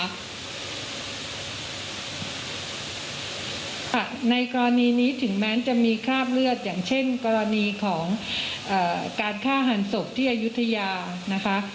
ในกรณีนี้ถึงแม้จะมีคราบเลือดอย่างเช่นกรณีของการฆ่าหันศพที่อายุทยานะคะ